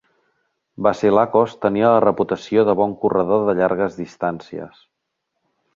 Vasilakos tenia la reputació de bon corredor de llargues distàncies.